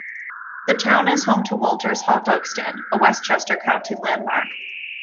The town is home to Walter's Hot Dog Stand, a Westchester County landmark.